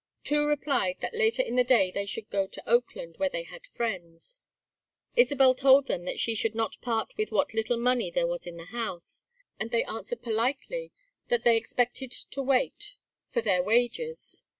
Two replied that later in the day they should go to Oakland where they had friends. Isabel told them that she should not part with what little money there was in the house, and they answered politely that they expected to wait for their wages.